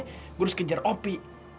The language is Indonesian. gue harus kejar opi